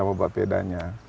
dan itu adalah perbedaannya